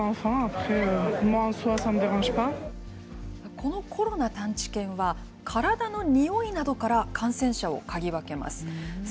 このコロナ探知犬は、体のにおいなどから感染者を嗅ぎ分けます。